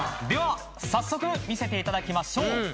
では早速見せていただきましょう。